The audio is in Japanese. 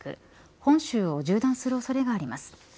本州を縦断する恐れがあります。